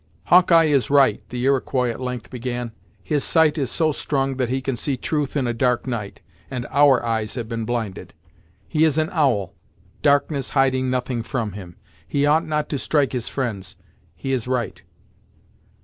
"Hawkeye is right," the Iroquois at length began; "his sight is so strong that he can see truth in a dark night, and our eyes have been blinded. He is an owl, darkness hiding nothing from him. He ought not to strike his friends. He is right."